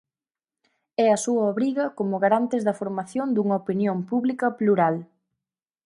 É a súa obriga como garantes da formación dunha opinión pública plural.